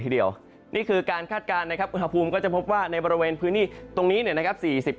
นี่คือการคาดการณ์นะครับคุณฮาพูมก็จะพบว่าในบริเวณพื้นที่ตรงนี้นะครับ